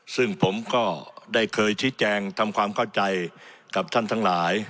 ซึ่งผมก็ได้เคยชี้แจงทำความเข้าใจกับท่านทั้งหลาย